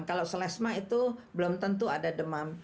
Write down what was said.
kalau selesma itu belum tentu ada demam